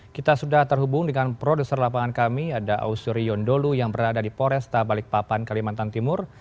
kita sudah terhubung dengan produser lapangan kami ada ausuri yondolu yang berada di poresta balikpapan kalimantan timur